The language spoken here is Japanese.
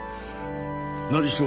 何しろ